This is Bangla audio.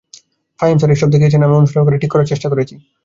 ফাহিম স্যার এসব দেখিয়ে দিয়েছেন, আমিও অনুশীলন করে ঠিক করার চেষ্টা করেছি।